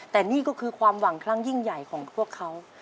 แต่นี่ก็คือความหวังครั้งยิ่งใหญ่ของพวกเขา